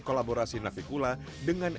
kolaborasi navikula dengan